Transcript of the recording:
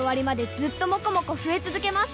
ずっともこもこ増え続けます！